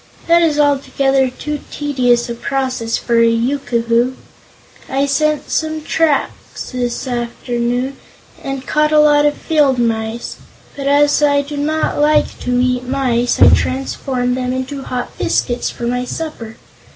"That is altogether too tedious a process for a Yookoohoo. I set some traps this afternoon and caught a lot of field mice, but as I do not like to eat mice, I transformed them into hot biscuits for my supper.